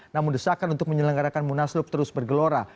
namun desakan untuk menyelenggarakan munaslup terus bergelora